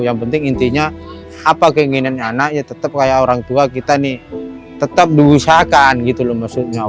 yang penting intinya apa keinginan anak ya tetap kayak orang tua kita nih tetap diusahakan gitu loh maksudnya